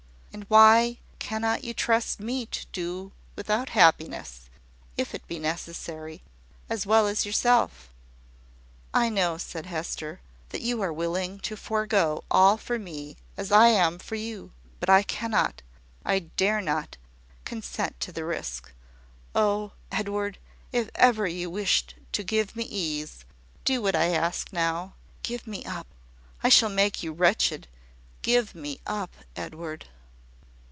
And why cannot you trust me to do without happiness, if it be necessary, as well as yourself?" "I know," said Hester, "that you are as willing to forego all for me as I am for you; but I cannot, I dare not, consent to the risk. Oh, Edward! if ever you wished to give me ease, do what I ask now! Give me up! I shall make you wretched. Give me up, Edward!"